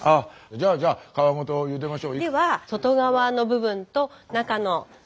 じゃあじゃあ皮ごとゆでましょう。